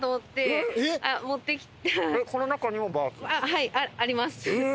はいあります。